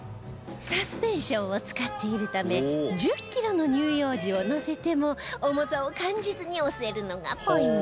サスペンションを使っているため１０キロの乳幼児を乗せても重さを感じずに押せるのがポイント